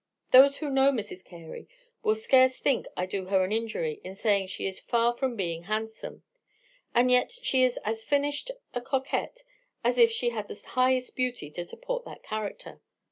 "Those who know Mrs. Carey will scarce think I do her an injury in saying she is far from being handsome; and yet she is as finished a coquette as if she had the highest beauty to support that character.